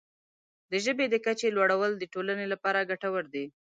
د ژبې د کچې لوړول د ټولنې لپاره ګټور دی.